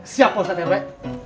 siap pak ustadz rw